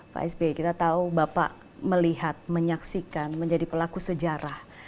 pak sby kita tahu bapak melihat menyaksikan menjadi pelaku sejarah